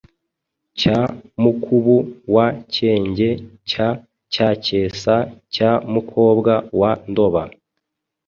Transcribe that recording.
cya Mukubu wa Cyenge cya Nyacyesa cya Mukobwa wa Ndoba